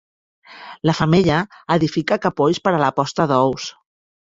La femella edifica capolls per a la posta d'ous.